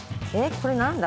これ何だ？